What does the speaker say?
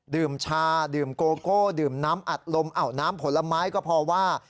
ชาดื่มโกโก้ดื่มน้ำอัดลมอ้าวน้ำผลไม้ก็พอว่า